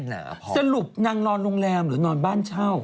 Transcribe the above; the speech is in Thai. แน่นหน่าพอสรุปนั่งนอนโรงแรมหรือนนอนบ้านเช่า